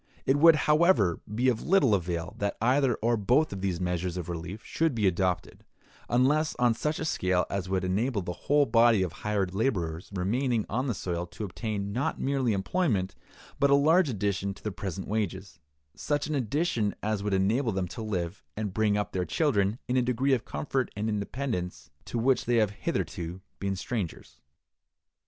It would, however, be of little avail that either or both of these measures of relief should be adopted, unless on such a scale as would enable the whole body of hired laborers remaining on the soil to obtain not merely employment, but a large addition to the present wages—such an addition as would enable them to live and bring up their children in a degree of comfort and independence to which they have hitherto been strangers.